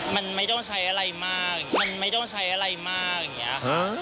มันไม่ต้องใช้อะไรมากมันไม่ต้องใช้อะไรมากอย่างเงี้ย